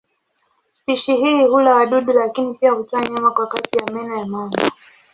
Spishi hii hula wadudu lakini pia hutoa nyama kwa kati ya meno ya mamba.